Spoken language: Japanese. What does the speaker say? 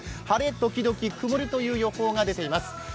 晴れ時々曇りという予報が出ています。